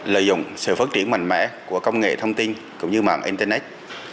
lợi dụng sự phát triển mạnh mẽ của công nghệ thông tin cũng như mạng internet